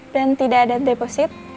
dan tidak ada deposit